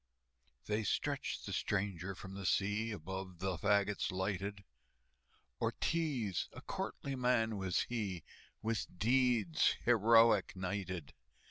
They stretched the stranger from the sea, Above the fagots lighted, Ortiz, a courtly man was he, With deeds heroic knighted.